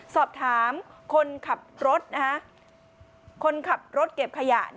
สอบถามคนขับรถเก็บขยะ